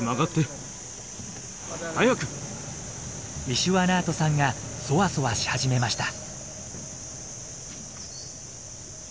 ウィシュワナートさんがそわそわし始めました。